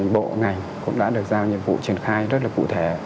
bộ ngành cũng đã được giao nhiệm vụ triển khai rất cụ thể